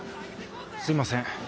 すいません。